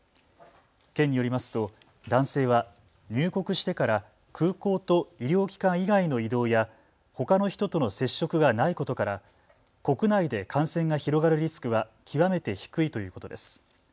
県によりますと男性は入国してから空港と医療機関以外の移動や、ほかの人との接触がないことから国内で感染が広がるリスクは極めて低いということです。